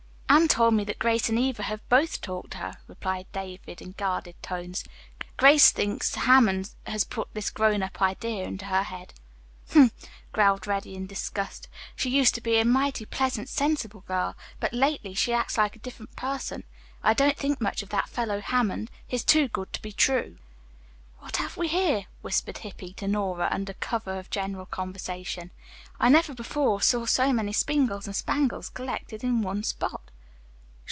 "Anne told me that Grace and Eva have both talked to her," replied David in guarded tones. "Grace thinks Hammond has put this grown up idea into her head." "Humph!" growled Reddy in disgust. "She used to be a mighty pleasant, sensible girl, but lately she acts like a different person. I don't think much of that fellow Hammond. He's too good to be true." "What have we here?" whispered Hippy to Nora under cover of general conversation. "I never before saw so many spingles and spangles collected in one spot."